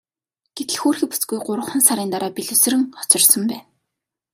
Гэтэл хөөрхий бүсгүй гуравхан сарын дараа бэлэвсрэн хоцорсон байна.